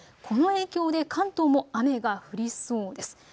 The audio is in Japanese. この影響で関東も雨が降りそうです。